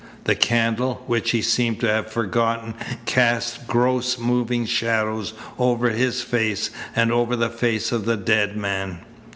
The candle, which he seemed to have forgotten, cast gross, moving shadows over his face and over the face of the dead man.